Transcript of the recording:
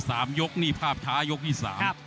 สามยกนี่ภาพช้ายกที่สาม